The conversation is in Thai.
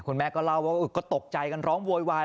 แม่ก็เล่าว่าก็ตกใจกันร้องโวยวาย